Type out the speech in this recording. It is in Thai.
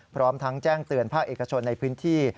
พร้อมทั้งแจ้งเตือนภาคเอกชนในพื้นที่